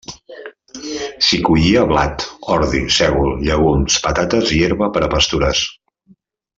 S'hi collia blat, ordi, sègol, llegums, patates i herba per a pastures.